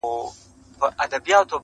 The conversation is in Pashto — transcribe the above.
والاشان او عالیشان دي مقامونه!.